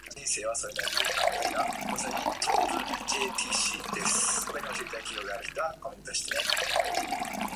Certain parts on the lake shores are covered with reeds.